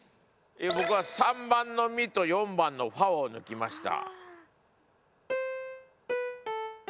ボクは３番のミと４番のファを抜きました。